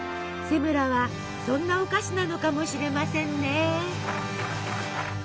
セムラはそんなお菓子なのかもしれませんね。